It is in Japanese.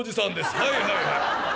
はいはいはい。